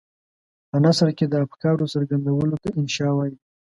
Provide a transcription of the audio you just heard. په نثر کې د افکارو څرګندولو ته انشأ وايي.